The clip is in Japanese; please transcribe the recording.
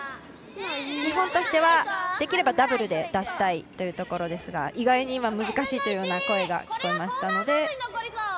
日本としては、できればダブルで出したいところですが意外に、難しいという声が聞こえましたので。